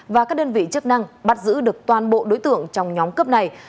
và các đơn vị chức năng bắt giữ được toàn bộ đối tượng trong nhóm cướp này